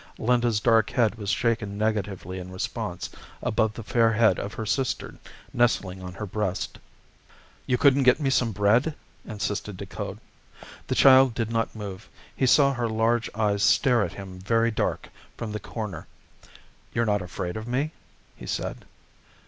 Linda's dark head was shaken negatively in response, above the fair head of her sister nestling on her breast. "You couldn't get me some bread?" insisted Decoud. The child did not move; he saw her large eyes stare at him very dark from the corner. "You're not afraid of me?" he said.